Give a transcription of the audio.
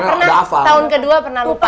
pernah tahun kedua pernah lupa